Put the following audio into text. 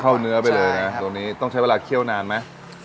เนื้อไปเลยนะตัวนี้ต้องใช้เวลาเคี่ยวนานไหม